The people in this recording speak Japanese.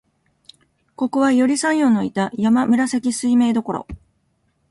ここは、頼山陽のいた山紫水明処、